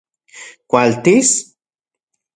¿Kualtis...?